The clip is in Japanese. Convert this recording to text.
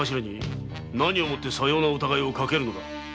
何をもってさような疑いをかけるのだ？